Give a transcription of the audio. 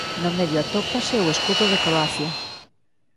No medio atópase o escudo de Croacia.